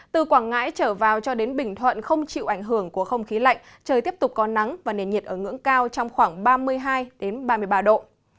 từ quảng ngãi trở vào cho đến bình thuận không chịu ảnh hưởng của không khí lạnh trời tiếp tục có nắng và nền nhiệt ở ngưỡng cao trong khoảng ba mươi hai ba mươi ba độ